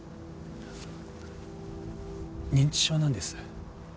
認知症なんです。